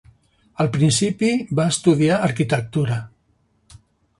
Al principi va estudiar arquitectura.